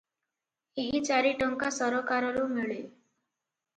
ଏହି ଚାରି ଟଙ୍କା ସରକାରରୁ ମିଳେ ।